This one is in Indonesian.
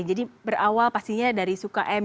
jadi berawal pastinya dari suka mu